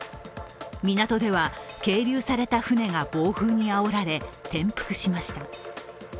港では係留した船が暴風にあおられ転覆しました。